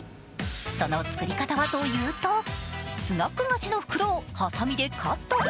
その作り方はというとスナック菓子の袋をはさみでカット。